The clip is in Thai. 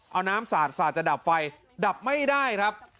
เอาน้ำสาดจะดับไฟดับไม่ได้ครับ